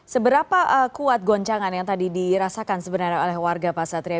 seberapa kuat goncangan yang tadi dirasakan sebenarnya oleh warga pak satria